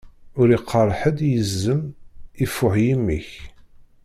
Ur iqqaṛ ḥedd i yizem: ifuḥ yimi-k!